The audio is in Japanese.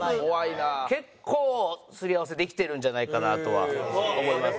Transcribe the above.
結構すり合わせできてるんじゃないかなとは思います。